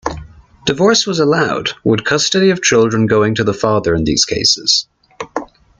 Divorce was allowed, with custody of children going to the father in these cases.